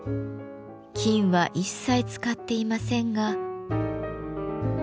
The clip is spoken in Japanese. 金は一切使っていませんが。